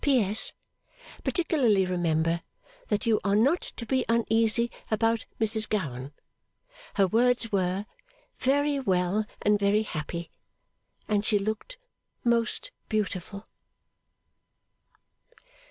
P.S. Particularly remember that you are not to be uneasy about Mrs Gowan. Her words were, 'Very well and very happy.' And she looked most beautiful.